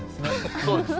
そうですね。